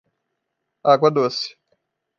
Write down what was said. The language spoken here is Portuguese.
Água doce